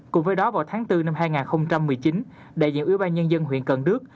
cùng với đó vào tháng bốn năm hai nghìn một mươi chín đại diện ủy ban nhân dân huyện cần đước